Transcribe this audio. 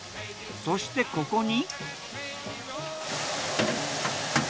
そしてここに。